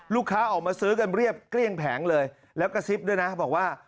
ลูกค้าออกมาซื้อกันเรียบเกลี้ยงแผงเลยแล้วกระซิบด้วยนะบอกว่า